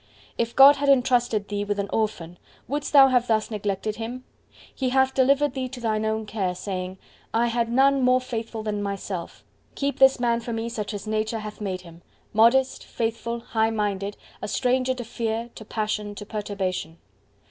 If God had entrusted thee with an orphan, wouldst thou have thus neglected him? He hath delivered thee to thine own care, saying, I had none more faithful than myself: keep this man for me such as Nature hath made him—modest, faithful, high minded, a stranger to fear, to passion, to perturbation.